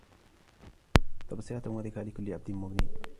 تَبْصِرَةً وَذِكْرَى لِكُلِّ عَبْدٍ مُنِيبٍ